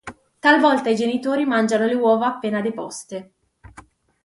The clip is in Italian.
Talvolta i genitori mangiano le uova appena deposte.